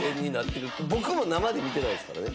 僕も生で見てないですからね。